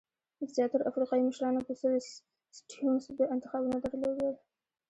د زیاترو افریقایي مشرانو په څېر سټیونز دوه انتخابونه درلودل.